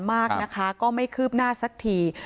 หลายงานมากนะคะก็ไม่คืบหน้าซักที